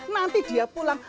nanti dia pulang